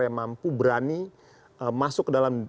yang mampu berani masuk ke dalam